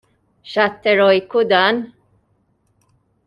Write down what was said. X'att erojku dan!